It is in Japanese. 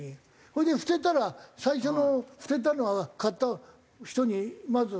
それで捨てたら最初の捨てたのは買った人にまず。